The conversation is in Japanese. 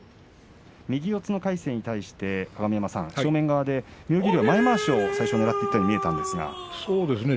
右四つの魁聖に対して鏡山さん正面側で妙義龍、前回しをねらったように見えましたが。